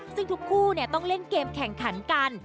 ซึ่งทุกคู่ต้องเล่นเกมแข่งขันกัน